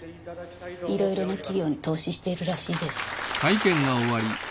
いろいろな企業に投資しているらしいです。